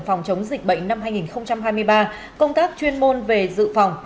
phòng chống dịch bệnh năm hai nghìn hai mươi ba công tác chuyên môn về dự phòng